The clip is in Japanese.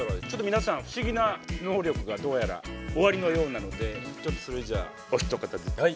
ちょっと皆さん不思議な能力がどうやらおありのようなのでちょっとそれじゃあお一方ずつ。